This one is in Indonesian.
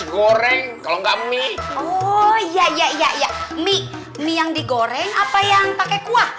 goreng kalau enggak mie oh ya ya mie mie yang digoreng apa yang pakai kuah